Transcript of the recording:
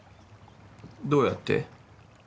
どうやって？